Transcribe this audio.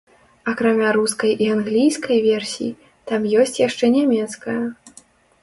Акрамя рускай і англійскай версій, там ёсць яшчэ нямецкая.